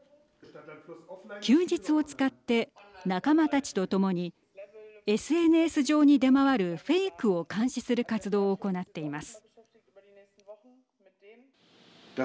休日を使って仲間たちと共にＳＮＳ上に出回るフェイクを監視する活動を行っています。